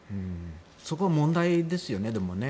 そこは問題ですよね。